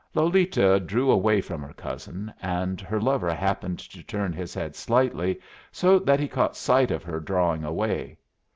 Lolita drew away from her cousin, and her lover happened to turn his head slightly, so that he caught sight of her drawing away.